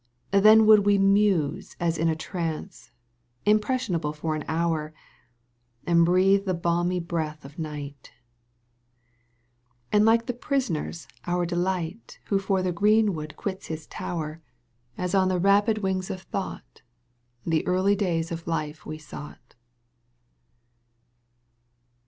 Then would we muse as in a trance, Impressionable for an hour. And breathe the balmy breath of night ; And like the prisoner's our delight Who for the greenwood quits his tower. Digitized by VjOOQ 1С 26 EUGENE ONEGUINE. canto i. As on the rapid wings of thought The early days of life we sought.